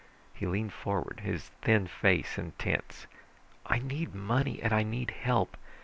He leaned forward, his thin face intense. "I need money and I need help.